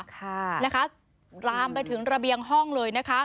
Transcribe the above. ค่ะนะคะลามไปถึงระเบียงห้องเลยนะคะ